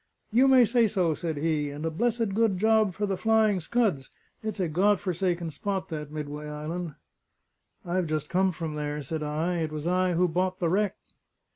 "You may say so," said he. "And a blessed good job for the Flying Scuds. It's a God forsaken spot, that Midway Island." "I've just come from there," said I. "It was I who bought the wreck."